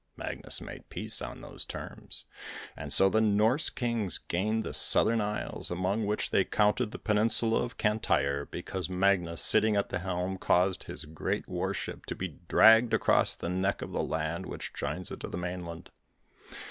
Magnus made peace on those terms and so the Norse Kings gained the Southern Isles, among which they counted the peninsula of Cantyre because Magnus, sitting at the helm, caused his great warship to be dragged across the neck of land which joins it to the mainland.